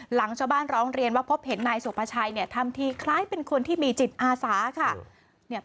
หลังชาวบ้านร้องเรียนว่าพบเห็นนายสุภาชัยเนี่ยทำทีคล้ายเป็นคนที่มีจิตอาสาค่ะ